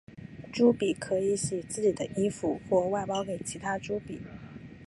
朱比可以洗自己的衣服或外包给其他朱比。